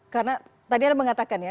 karena tadi ada yang mengatakan ya